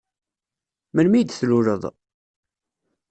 Melmi ay d-tluleḍ?